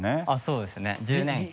そうですね１０年間。